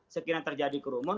sekiranya terjadi kerumun